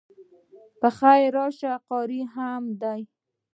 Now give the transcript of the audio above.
په خیر د راشی قاری هم ده